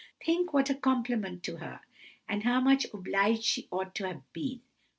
Think what a compliment to her, and how much obliged she ought to have been!